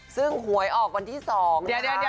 ซึ่งหวยออกวันที่สองนะคะ